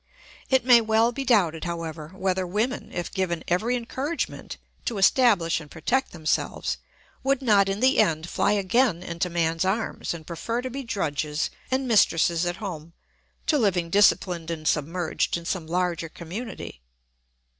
It may well be doubted, however, whether women, if given every encouragement to establish and protect themselves, would not in the end fly again into man's arms and prefer to be drudges and mistresses at home to living disciplined and submerged in some larger community.